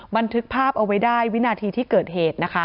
บันทึกภาพเอาไว้ได้วินาทีที่เกิดเหตุนะคะ